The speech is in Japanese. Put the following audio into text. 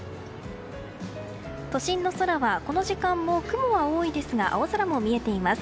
都心の空はこの時間も雲は多いですが青空も見えています。